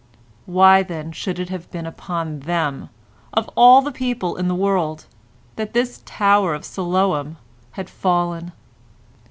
Why then should it have been upon them, of all people in the world, that this tower of Siloam had fallen?